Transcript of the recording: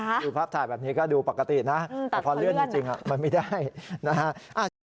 ดูภาพถ่ายแบบนี้ก็ดูปกตินะแต่พอเลื่อนจริงมันไม่ได้นะฮะ